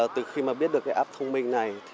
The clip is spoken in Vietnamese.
từ khi biết được app thông minh này